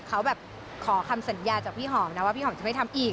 เขาแบบขอคำสัญญาจากพี่หอมนะว่าพี่หอมจะไม่ทำอีก